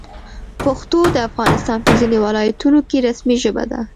پښتو د افغانستان په ځینو ولایتونو کې رسمي ژبه ده.